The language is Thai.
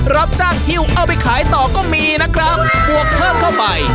รับจ้างฮิวเอาไปขายต่อก็มีนะครับบวกเพิ่มเข้าไป